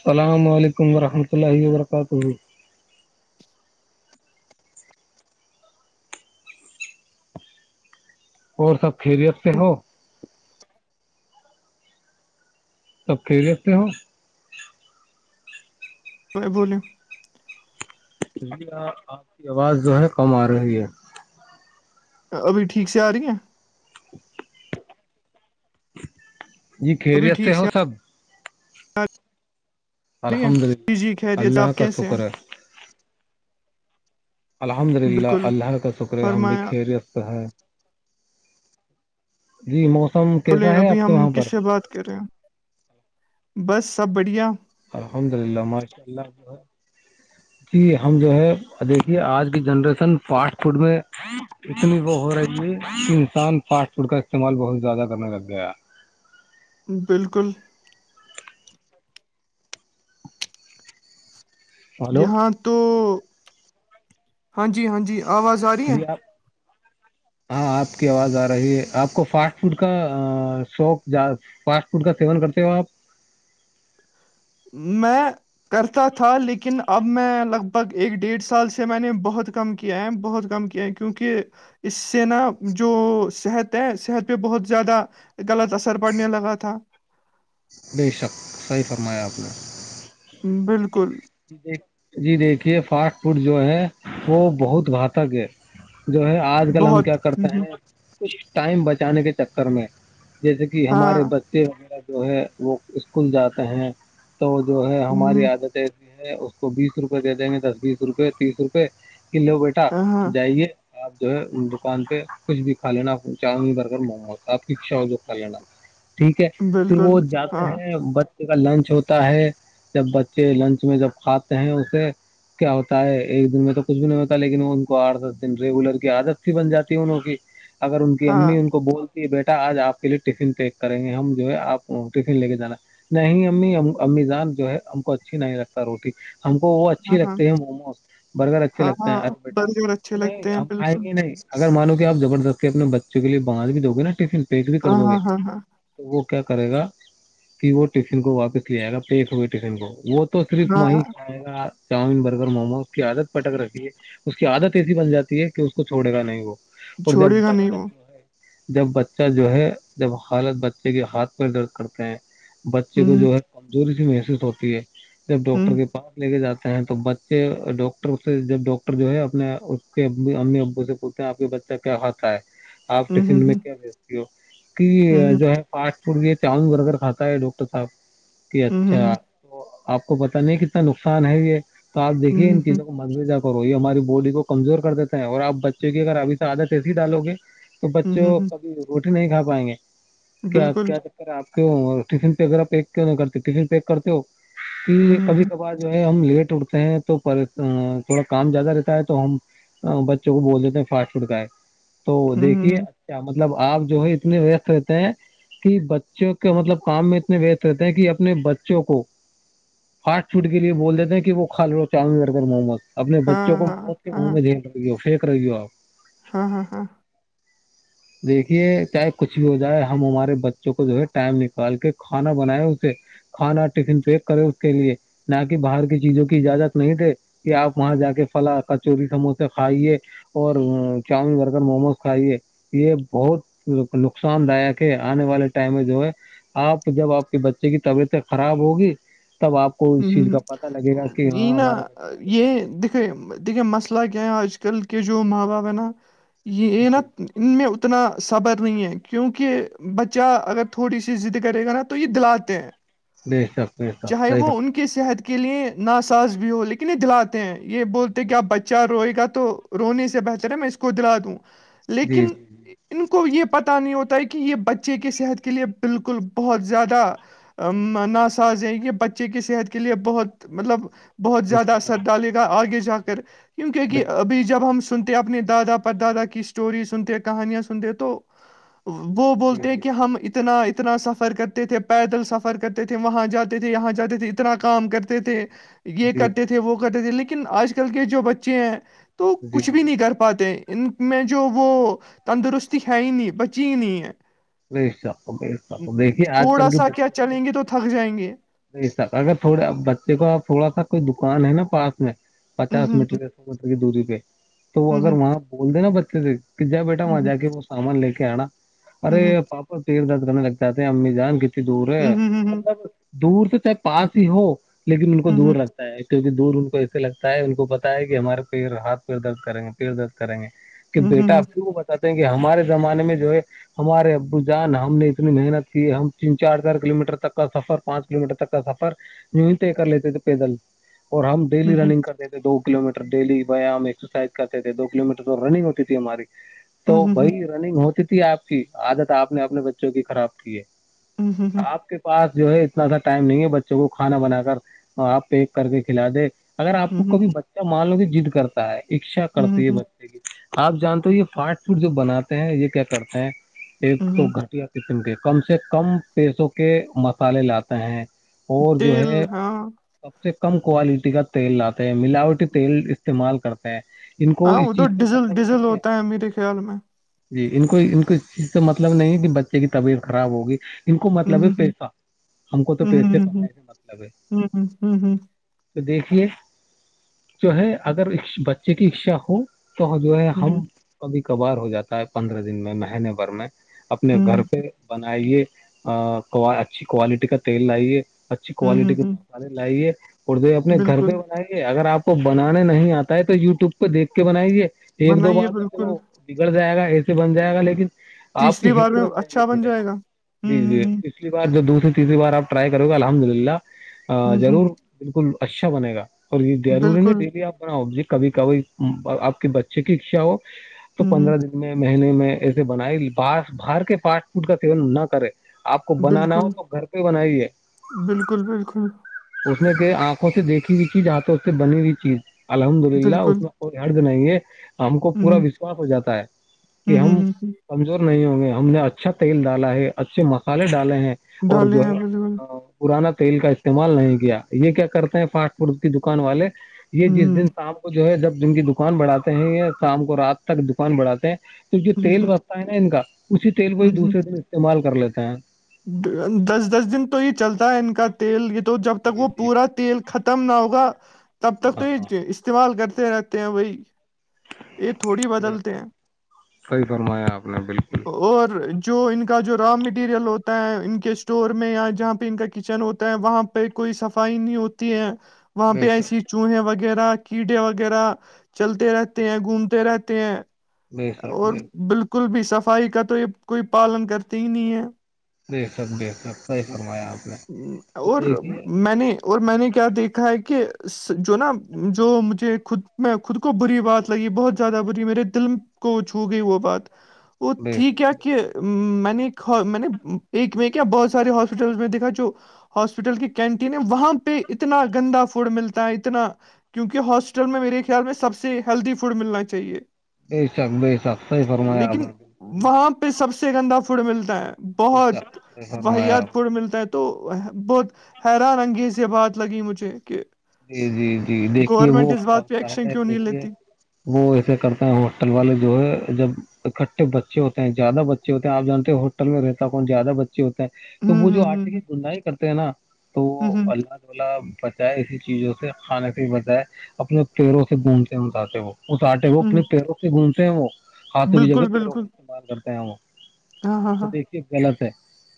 السلام علیکم ورحمۃ اللہ و برکاتہ اور سب خیریت سے ہو تب ک لیتے ہو بولیے جی آپ کی آواز جو ہے کم آ رہی ہے ابھی ٹھیک سے آ رہی ہیں جی ابھی خیریت سے ٹھیک ہو سب الحمد جی للہ جی خیریت اللہ آپ کا کیسے ہیں شکر ہے الحمد للہ بالکل اللہ کا شکر ہے ہم بھی فرمایا خریست ہیں جی موسم بولے کیسا ہے ابھی آپ کے ہم وہاں پر کس سے بات کر رہے ہیں بس سب بڑھیا الحمد للہ ماشاء اللہ ج ہم جو ہے دیکھیے آج کی جنریشن فاسٹ فوڈ میں اتنی وہ ہو رہی ہے کہ انسان فاسٹ فوڈ کا استعمال بہت زیادہ کرنے لگ گیا بالکل ہلو یہاں تو ہاں جی ہاں جی آواز آئی جی آپ ہاں آپ کی آواز آ رہی ہے آپ کو فاسٹ فوڈ کا شوق فاسٹ فوڈ کا سیون کرتے ہو آپ میں کرتا تھا لیکن اب میں لگ بھگ ایک ڈیڑھ سال سے میں نے بہت کم کیا ہے بہت کم کیا کی کیونکہ اس سے نا جو صحت ہے صحت پہ بہت زیادہ غلط اثر پڑنے لگا تھا بے شک صحیح فرمایا آپ نے بالکل ج دیک جی دیکھیے فاسٹ فوڈ جو ہے وہ بہت گھاتک ہے جو ہے آج کل ہم بہت کیا ہ کرتے ہ ہیں کچھ ٹائم بچانے کے چکر میں جیسے کہ ہاں، ہمارے ب ویرہ جو ہے وہ اسکول جاتے ہیں تو جو ہے ہماری ہوں، عادت ایسی ہے اس کو بیس روپئے دے دیں گے دس بیس روپئے تیس روپے ک لو بیٹا ہاں، جائیے آپ جو ہے دکان پہ کچھ بھی کا لینا چاؤن برگر موموز آپ کیچھاؤ جو کھا لینا ج ٹھیک ہے پھر بالکل، وہ جاتے ہاں، ہیں بچے کا لنچ ہوتا ہے جب بچے لنچ اس میں جب کھاتے ہیں اسے کیا ہوتا ہے ایک دن میں تو کچھ بھی نہیں ہوتا لیکن ان کو آٹھ دس دن ریگولر کی عادت تھی بن جاتی ہے انوں کی اگر ان کی ہاں، امی ان کو بول یہ بیٹا آج آپ کے لیے ٹفن پیک کریں گے ہم جو ہے آپ ٹفن لے کے جانا ہے نہیں امی امیزان جو ہے ہم کو اچھی نہیں لگتا روٹی ہم کو وہ ہاں، اچھی ہاں، لگتی ہے موموز برگر اچھے ہاں، لگتا ہاں، ہے ارے بیٹا برگر اچھے نہیں لگتے ہیں آ بالکل، ہی نہیں اگر مانو کہ آپ زبردستی اپنے بچوں کے لیے بانج بھی دو گے نا ٹفن پیک بھی کر ہاں، دو گے ہاں، ہاں، تو وہ کیا کرے گا کہ وہ ٹفن کو واپس لے آئے گا پیک ہوئے ٹفن کو وہ تو صرف ہاں، وہیں ہاں، کھائے گا چاؤمین برگر مومو اس کی عادت پٹک رکھھی ہے اس کی عادت ایسی بن جاتی ہے کہ اس کو چھوڑے گا نہیں وہ اور جب چھوڑے گا نہیں بچپن وہ، جو ہے جب بچہ جو ہے جب حالت بچے کے ہاتھ پ درد کرتے ہیں بچے کو ہوں، جو ہے کمزوری سے محسوس ہوتی ہے جب ڈاکٹر ہوں، کے پاس لے کے جاتے ہیں تو بچے ڈاکٹر سے جب ڈاکٹر جو ہے اپنے اس کے امی ابو سےچھ آپ کے بچہ کیا کھاتا ہے آپ ہوں، ہوں، ٹفن میں ہوں، کیا بیجتی ہو کہ ہوں، جو ہے فاسٹ فوڈ یہ چان برگر کھاتا ہے ڈاکٹر صاحب کہ ہوں، ہوں، اچھا ہوں، تو آپ کو پتہ نہیں کتنا نقصان ہے یہ تو آپ ہوں، دیکھیے ان ہوں، چیزوں کو انگزا کرو یہ ہماری باڈی کو کمزور کر دیتا ہے اور آپ بچے کی اگر ابھی سے آادت ایسی ہی ڈالو گے تو ہوں، بچوں ہوں، ہوں، کبھی روٹی نہیں کھا پائیں گے کیا بالکل، کیا س آپ کی فن پہ ا پیکوں نہیں کرتے فن پیک کرتے ہو ہوں، کہ ہوں، کبھی ہوں، کبار جو ہے ہم لیٹ اٹھتے ہیں تو تھوڑا کام زیادہ رہتا ہے تو ہم بچوں کو بول دیتے ہیں فاسٹ فوڈ کا ہے تو ہوں، دیکھیے ہوں، کیا مطلب آپ جو ہے اتنے ویست رہتے ہیں کہ بچوں کے مطلب کام میں اتنے وستت رہتے ہیں کہ اپنے بچوں کو پاٹ فوٹ کے لیے بول دیتے ہیں کہ وہ کھا لو چا برگر محمت اپنے بچوں ہاں، کو ہاں، موت کے منہ ہاں، میں دے لو فیک رہےی ہو آپ ہاں ہاں ہاں دیکھیے چاہے کچھ بھی ہو جائے ہمارے بچوں کو جو ہے ٹائم نکال کے کھانا بنائے اسے کھانا ٹفن پیک کرے اس کے لیے نہ کہ باہر کی چیزوں کی اجازت نہیں دے کہ آپ وہاں جا کے فلا کچوری سموسے کھائیے اور چاؤمین بر کر موموز کھائیے یہ بہت نقصان داک ہے آنے والے ٹائم میں جو ہے آپ جب آپ کے بچے کی طبیعتیں خراب ہوگی تب آپ کو اس ہوں، چیز ہوں۔ کا پتا لگے گا کہ یہ ہاں نا ہمارے ب یہ دیکھے دیکھے مسئلہ کیا ہے آج کل کے جو ماں باپ ہیں نا یہ ن جی ان میں اتنا صبر نہیں ہے کیونکہ بچہ اگر تھوڑی سی ضد کرے گا نا تو یہ دلاتے ہیں بیی شھک بیی ک چاہے صحح وہ کی صحت کے لیئے ناساز بھی ہو لیکن نہیں دلاتے ہیں یہ بولتے کہ آپ بچہ روئے گا تو رونے سے بہتر ہے میں اس کو دلا دوں جی لیکن جی جی ان کو یہ پتہ نہیں ہوتا ہے کہ یہ بچے کی صحت کے لیے بالکل بہت زیادہ ناسااز ہیں کہ بچ ب کی صحت کے لیے بہت مطلب بہت زیادہ نقصان اثر ہے ڈالے گا آگے جا کر کیونکونک بے ابھی جب ہم سنتے اپنے دادا پر دادا کی اسٹوری سنتے کہانیاں سنتے تو وہ جی بولتے جی ہیں کہ ہم اتنا اتنا سفر کرتے تھے پیدل سفر کرتے تھے وہاں جاتے تھے یہاں تے تھے اتنا کام کرتے تھے یہ جی کرتے تھے جی وہ کرتے تھے لیکن آج کل کے جو بچے ہیں تو جی کچھ بھی نہیں کر پا پاتے ان میں جو وہ تندرستی ہے ہی نہیں بچی ہی نہیں ہے بے شک بے شک دیکھیے آج کل تھوڑا سا کیا چلیں گے تو تھک جائیں گے نہیںسا اگر تھوڑے بچے کو تھوڑا سا کوئی دکان ہے نا پاس میں پچاس میٹر یا سو میٹر کی دوری پہ تو وہ اگر وہاں بول دے نا بچے سے کہ جا بیٹا وہاں جا کے وہ سامان لے کے آنا ارے پاپا پیر درد کرنے لگتااتتے ہیں امی جان کتنی دور ہے مطلب دور تو چاہے پاس ہی ہو لیکن ان کو دور لگتا ہے کیونکہ دور ان کو ایسے لگتا ہے ان کو پتا ہے کہ ہمارے پ ہاتھ پیر درد کریں گے پییر درد کریں گے کہ بیٹا آھر وہ بتاتے ہیں کہ ہمارے زمانے میں جو ہے ہمارے ابو جان ہم نے اتنی محنت کی ہم تین چار چار کلو میٹر تک کا سفر پانچ کلو میٹر تک کا سفر یوں ہی طے کر لیتے تھے پیدل اور ہم ڈیلی رننگ کرتے دو کلو میٹر ڈیلی ویام ایکسرسائز کرتے تھے دو کلو میٹر تو رنگ ہوتی تھی ہماری تو بھائی رننگ ہوتی تھی آپ کی عادت آپ نے اپنے بچوں کی خراب کی ہے آپ کے پاس جو ہے اتناا ٹائم نہیں ہے بچوں کو کھانا بنا کر آپ پیک کر کے کھلا دے اگر آپ کو کبھی بچہ مان لو کہ جضد کرتا ہے اچھا کرتی ہے ب آپ جانتے ہو یہ فاٹ فوٹ جو بناتے ہیں یہ کیا کرتے ہیں ایک تو گٹیا قسم کے کم سے کم پیسوں کے مسالے لاتے ہیں اور جو تیل ہے ہاں سب سے کم کوالٹی کا تیل لاتے ہیں ملاوٹی تیل استعمال کرتے ہیں ان کو ہاں وہ اس تو چیز سے ڈیزل مطلب ڈیزل نہیں ہے ہوتا میرے خیال میں جی ان کو ان کو چیز تو مطلب نہیں ہے کہ بچے کی طبیعت خراب ہوگی ان کو مطلب ہے پیسہ ہم کو تو پیسے کمائے سے مطلب ہے تو دیکھیے جو ہے اگر بچے کی اچشا ہو تو جو ہے ہم کبھی کبھار ہو جاتا ہے پندرہ دن میں مہینے بھر میں اپنے گھر پہ بنائیے اچھی کوالٹی کا تیل لائیے ا اچھی کوالٹی کے مسالے لائیے اور د اپنے گھر پہ بالکل بنائیے اگر آپ کو بنانے نہیں آتا ہے تو یو وب پہ دیکھ کے بنائیے ایک دو بنائیے بار تو بالکل چلو بگڑ جائے گا ایسے بن جائے گا لیکن آپ تیسری کی بار ہیٹ میں بن جائے گی اچھا دھیے گا جی جی پچھلی بار دوسری تیسری بار آپ ٹرائی کرو گے الحمد للہ ضرور بالکل اچھا بنے گا اور یہ روری ہے نا بالکل ڈیلی آپ ب ج کبھی کبھی آپ کے بچے کی اچھا ہو تو پندرہ دن میں مہینے میں سے بنائی بس باہر کے فاسٹ فوڈ کا سیون نہ کرے آپ کو بنانا ہو بالکل تو گھر پہ بنائیے بالکل بالکل اس نے کہ آنکھوں سے دیکھی ہوئی چیز آھ اس سے بنی ہوئی چیز الحمد للہ اس بالکل کوئی حرد نہیں ہے ہم کو پورا وشواس ہو جاتا ہے کہ ہم کمزور نہیں ہوں گے ہم نے اچھا تیل ڈالا ہے اچھے مسالے ڈالے ہیں اور ڈالے جو ہیں ہے بالکل پرانا تیل کا استعمال نہیں کیا یہ کیا کرتے ہیں فاسٹ فوڈ کی دکان والے یہ جس دن شام کو جو ہے جب دن کی دکان بڑھاتے ہیں شام کو رات تک دکان بڑھاتے ہیں تو جو تیل بچتا ہے نا ان کا اسی تیل کو ہی دوسرے دن استعمال کر لیتا ہے دس دس دن تو یہ چلتا ہے ان کا تیل یہ تو جب تک جی وہ جی پورا تیل خ م نہ ہوگا تب تک تو ہاں ہاں یہ استعمال کرتے رہتے ہیں وہی یہ تھوڑی بے بدلتے شک ہیں صحیح فرمایا آپ نے بالکل اور جو ان کا جو را مٹیریل ہوتا ہے ان کے اسٹور میں یا جہاں پہ ان کا کچن ہوتا ہے وہاں پہ کوئی صفائی نہیں ہوتی ہے وہاں بے پہ شک ایسی چوہے وغیرہ کیڑے وغیرہ چلتے رہتے ہیں گھومتے رہتے ہیں بے شک اور بے بالکل بھی صفائی کا تو یہ کوئی پالن کرتی ہی نہیں ہے دیک سب دیکھ سب صحیح فرمایا آپ نے تو اور دیکھیے میں نے اور میں نے کیا دیکھا ہے کہ جو نا جو مجھے خود میں خود کو بری بات لگی بہت زیادہ بری ہے میرے دل کو چھو گئی وہ بات وہ بے تھی کیا شک بے کہ میں نے میں نے ایک میں کیا بہت سارے ہاسپٹلس میں دیکھا جو ہاسپٹل کی کینٹین ہے وہاں پہ اتنا گندا فوڈ ملتا ہے اتنا کیونکہ ہاسٹل میں میرے خیال میں سب سے ہیلدی فوڈ ملنا چاہیے ب شخ بی شخ لیکن وہاں پہ سب سے گندا فوڈ ملتا ہے بے شک بہت صحیح فرمایا وحیات آپ نے پور ملتا ہے تو بہت حیران انگیز یہ بات لگی مجھے کہ جی جی جی دیکھیے گورنمنٹ وہ اس کیا بات پہ ہوتا ایکشن ہے کیوں نہیں دیکھیے لیتی وہ ایسے کرتے ہیں ہوٹل والے جو ہے جب اکٹھے بچے ہوتے ہیں زیادہ بچے ہوتے ہیں آپ جانتے ہیں میں رہتا کون زیادہ ب ہوتا ہیں تو ہوں وہ جو ہوں آرٹے کی ہوں دندائی کرتے ہیں نا تو ہوں ہوں اللہ تالیا بچائے اس چیزوں سے کھانے سے بجائے اپنے پیروں سے بڈتے اٹاتے وہ اتٹے وہ اپنے ہوں پیروں سے گھومتے ہیں وہ ہاتھوں بھی جگہ بالکل پیروں کا استعمال کرتے ہیں وہ ہ ہاں تو ہاں دیکھیے غلط ہے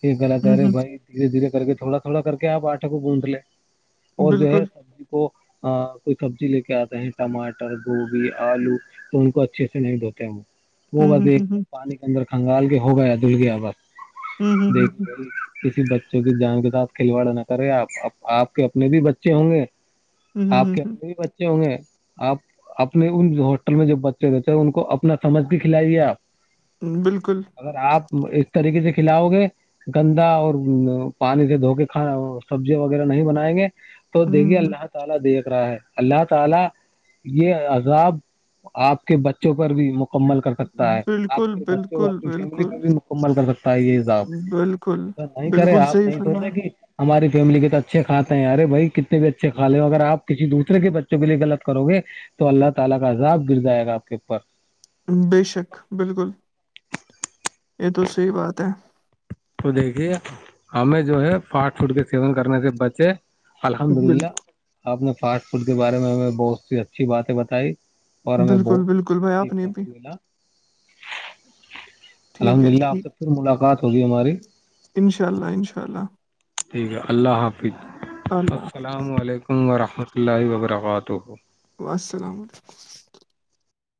یہ غلط ہے ہوں ارے ہوں بھائی دھیرے دھیرے کر کے تھوڑا تھوڑا کر کے آپ آٹے کو گونھ لے اور جو ہے بالکل سبزی کو ہ کوئی سبزی لے کے آتے ہیں ٹماٹر گوبھی آلو تو ان کو اچھے سے نہیں دھوتے ہیں وہ وہ ہوں بس ہوں ایک ہوں ہوں پانی کے اندر کنگال کے ہو گیا دھل گیا بس ہوں ہوں ہوں دیکھو گ کسی بچوں کی جان کے ساتھ کھلواڑا نہ کرے آپ آپ کے اپنے بھی بچے ہوں گے ہوں ہوں آپ کے ہوں اپنے بھی بچے ہوں گے آپ اپنے ان ہواسٹل میں جو بچے رہتے ہیں ان کو اپنا سمجھ بھی کھلائیے آپ بالکل اگر آپ اس طریقے سے کھلاؤ گے گندا اور پانی سے دھو کے کھا سبزیا وغیرہ نہیں بنائیں گے تو دیکھیے ہوں ہوں اللہ تعالی دیکھ رہا ہے اللہ تعالی یہ عذاب آپ کے بچوں پر بھی مکمل کر سکتا ہے آپ بالکل کے بچوں کو بالکل اپنی فیملی کو بالکل بھی مکمل کر سکتا ہے یہ حساب بالکل ایسا نہیں کرے بالکل آپ صحیح نہیں فرمایا سوچے کہ ہماری فیملی کے تو اچھے کھاتے ہیں ارے بھائی اپ بچے کا لے اگرپ کسی دوسے کے بچوں کے لیے غط کرو گے تو اللہ تعالی کا عذاب گر جائے گاپ کے اوپر بے شک بالکل یہ تو صحیح بات ہے تو دیکھیے ہمیں جو ہے فاسٹ فوڈ کے سیون کرنے سے بچے الحمد بالکل للہ آپ نے فاسٹ فوڈ کے بارے میں ہمیں بہت سی اچھی باتیں بتائی اور ہم میںیں بالکل بہت بالکل بھائی کچھ آپ نے سیکھنے کو بھی ملا ٹھیک الحمد ہے للہ آب ٹھیک تک پھر ملاقات ہوگی ہماری انشاء اللہ انشاء اللہ ٹھیک ہے اللہ حافظ اللہ السلام علیکم ورحمۃ اللہ و برکاتہ السلام علیکم